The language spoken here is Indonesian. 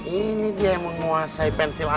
ini dia yang menguasai pensil alam